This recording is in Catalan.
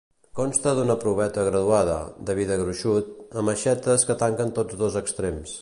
Consta d'una proveta graduada, de vidre gruixut, amb aixetes que tanquen tots dos extrems.